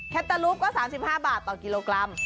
ตารูปก็๓๕บาทต่อกิโลกรัม